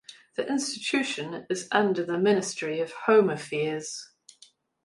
The institution is under the Ministry of Home Affairs.